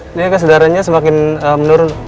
ini kesedarannya semakin menurun